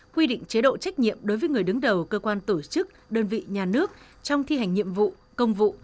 quy định chế độ trách nhiệm đối với người đứng đầu cơ quan tổ chức đơn vị nhà nước trong thi hành nhiệm vụ công vụ